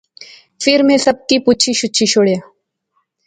فیر میں سب کی پچھی شچھی شوڑیا